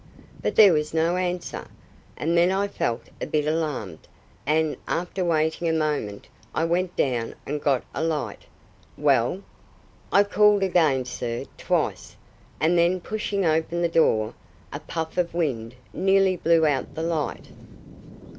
but there was no answer, and then I felt a bit alarmed, and, after waiting a moment, I went down and got a light." "Well?" "I called again, sir, twice; and then, pushing open the door, a puff of wind nearly blew out the light."